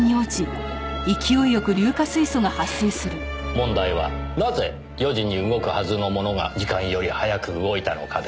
問題はなぜ４時に動くはずのものが時間より早く動いたのかです。